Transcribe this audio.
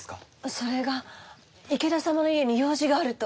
それが池田様の家に用事があると。